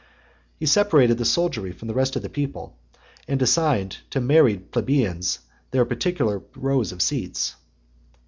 He separated the soldiery from the rest of the people, and assigned to married plebeians their particular rows of seats.